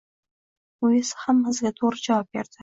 U esa hammasiga to`g`ri javob berdi